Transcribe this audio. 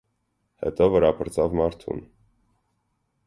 Հետո վրա պրծավ մարդուն.